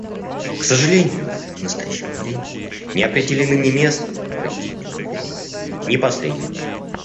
К сожалению, к настоящему времени не определены ни место проведения Конференции, ни посредник.